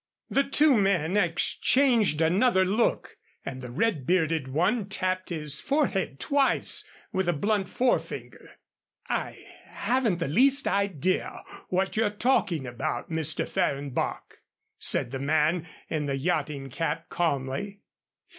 The two men exchanged another look, and the red bearded one tapped his forehead twice with a blunt forefinger. "I haven't the least idea what you're talking about, Mr. Fehrenbach," said the man in the yachting cap, calmly.